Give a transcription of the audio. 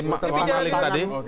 yang pidananya tadi